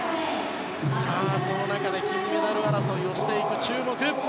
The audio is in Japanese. その中で金メダル争いをしていく注目